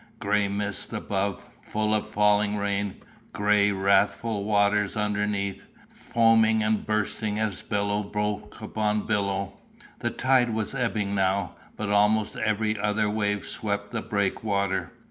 Gray mist above, full of falling rain; gray, wrathful waters underneath, foaming and bursting as billow broke upon billow. The tide was ebbing now, but almost every other wave swept the breakwater.